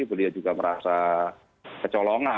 beliau juga merasa kecolongan